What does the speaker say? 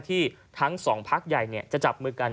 ทั้งสองพักใหญ่จะจับมือกัน